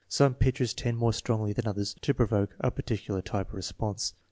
Some pictures tend more strongly than others to provoke a particular type of response.